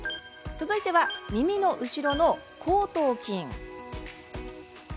続いては耳の後ろの後頭筋。